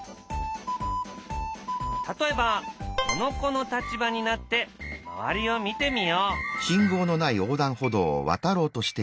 例えばこの子の立場になって周りを見てみよう。